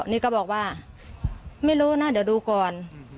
นี่ก็บอกว่าไม่รู้นะเดี๋ยวดูก่อน